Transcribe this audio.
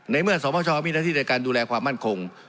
ในเมื่อสมชมีหน้าที่ในการดูแลความมั่นคง